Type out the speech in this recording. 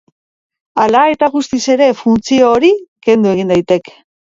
Hala eta guztiz ere, funtzio hori kendu egin daiteke.